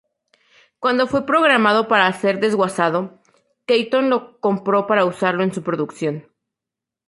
Cuando fue programado para ser desguazado, Keaton lo compró para usarlo en su producción.